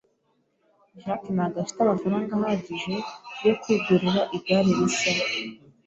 Jack ntabwo afite amafaranga ahagije yo kwigurira igare rishya.